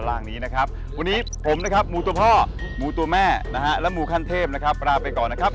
แล้วหมู่คันเทพนะครับลาไปก่อนนะครับ